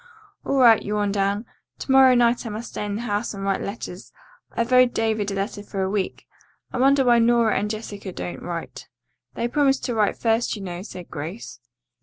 "All right," yawned Anne. "To morrow night I must stay in the house and write letters. I've owed David a letter for a week. I wonder why Nora and Jessica don't write." "They promised to write first, you know," said Grace.